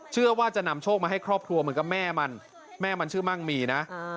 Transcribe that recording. เชื่อว่าจะนำโชคมาให้ครอบครัวเหมือนกับแม่มันแม่มันชื่อมั่งมีนะ